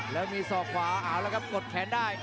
แล้วมีศอกขวาเอาละครับกดแขนได้